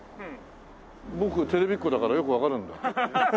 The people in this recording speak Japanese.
僕テレビっ子だからよくわかるんだ。